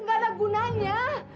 gak ada gunanya